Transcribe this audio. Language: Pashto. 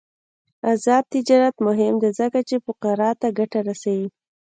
آزاد تجارت مهم دی ځکه چې فقراء ته ګټه رسوي.